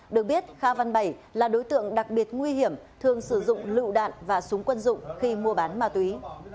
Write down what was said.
được biết kha văn bảy là đối tượng đặc biệt nguy hiểm thường sử dụng lựu đạn và súng quân dụng khi mua bán ma túy